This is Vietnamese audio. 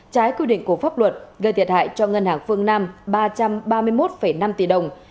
trái quy định của pháp luật gây thiệt hại cho ngân hàng phương nam ba trăm ba mươi một năm tỷ đồng